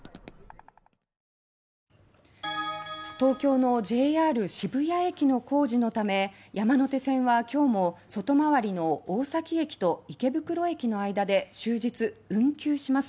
東京のＪＲ渋谷駅の工事のため山手線は今日も外回りの大崎駅と池袋駅の間で終日運休します。